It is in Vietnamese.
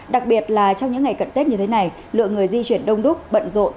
đặc biệt là trong những ngày cận tết như thế này lượng người di chuyển đông đúc bận rộn